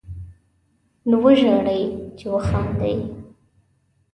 نو وژاړئ، چې وخاندئ